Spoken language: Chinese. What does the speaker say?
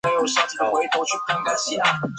这在当时是具有主导地位的农民运动。